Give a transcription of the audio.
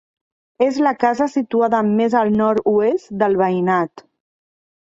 És la casa situada més al nord-oest del veïnat.